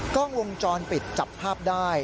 กล้องวงจรปิดจับภาพได้